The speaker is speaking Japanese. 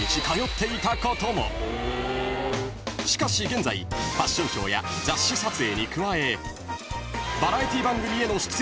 ［しかし現在ファッションショーや雑誌撮影に加え］